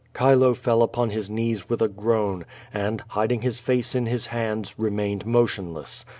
Chilo fell upon his knees with a groan, and, hiding his face in his hands, remained motionless.